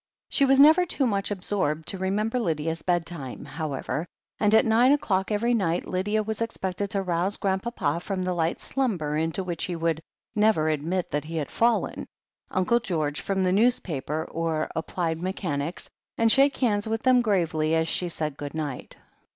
She was never too much ab sorbed to remember Lydia's bedtime, however, and at nine o'clock every night Lydia was expected to rouse Grandpapa from the light slumber into which he would never admit that he had fallen, Uncle George from the newspaper or "Applied Mechanics," and shake hands with them gravely as she said good night.